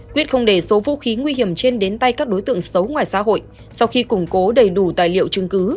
quyết không để số vũ khí nguy hiểm trên đến tay các đối tượng xấu ngoài xã hội sau khi củng cố đầy đủ tài liệu chứng cứ